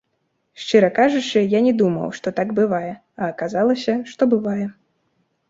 Шчыра кажучы, я не думаў, што так бывае, а аказалася, што бывае.